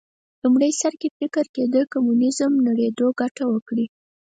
لومړي سر کې فکر کېده کمونیزم نړېدو ګټه وکړي